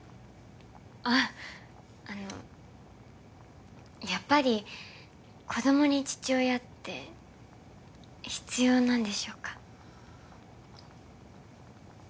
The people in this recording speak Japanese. あっあのやっぱり子どもに父親って必要なんでしょうか？